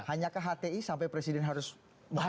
hanyakah hti sampai presiden harus mengatakan hti